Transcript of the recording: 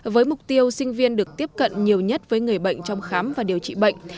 với mục tiêu sinh viên được tiếp cận nhiều nhất với người bệnh trong khám và điều trị bệnh